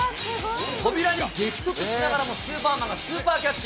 扉に激突しながらもスーパーマンがスーパーキャッチ。